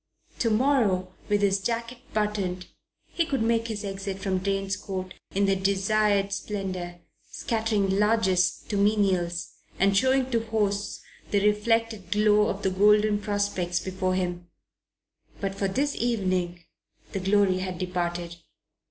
To morrow, with his jacket buttoned, he could make his exit from Drane's Court in the desired splendour scattering largesse to menials and showing to hosts the reflected glow of the golden prospects before him; but for this evening the glory had departed.